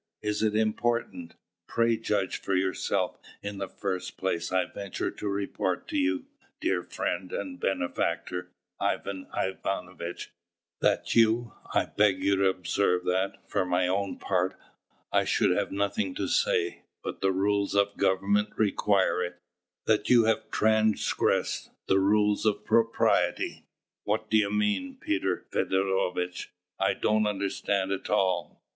Is it important?" "Pray judge for yourself; in the first place I venture to report to you, dear friend and benefactor, Ivan Ivanovitch, that you I beg you to observe that, for my own part, I should have nothing to say; but the rules of government require it that you have transgressed the rules of propriety." "What do you mean, Peter Feodorovitch? I don't understand at all."